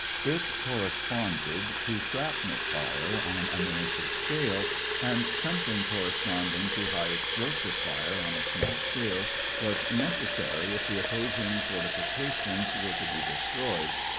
It corresponded to shrapnel fire on a miniature scale, and something corresponding to high explosive fire on a small scale was necessary if the opposing fortifications were to be destroyed.